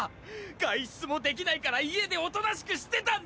外出もできないから家でおとなしくしてたんだ！